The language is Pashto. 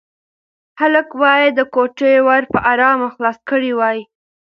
هلک باید د کوټې ور په ارامه خلاص کړی وای.